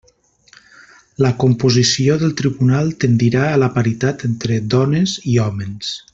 La composició del tribunal tendirà a la paritat entre dones i hòmens.